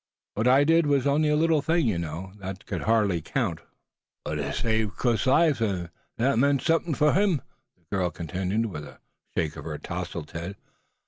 "What I did was only a little thing you know, that could hardly count." "But hit saved Cliff's life, an' thet meant sumthin' foh him," the girl continued, with a shake of her tousled head.